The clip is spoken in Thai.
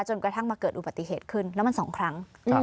กระทั่งมาเกิดอุบัติเหตุขึ้นแล้วมัน๒ครั้ง